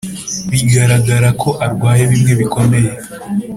bigararaga ko arwaye bimwe bikomeye,